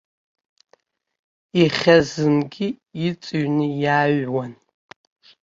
Иахьа зынгьы иҵыҩны иааҩуан.